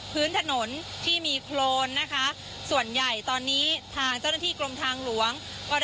พื้นถนนที่มีโครนนะคะส่วนใหญ่ตอนนี้ทางเจ้าหน้าที่กรมทางหลวงก็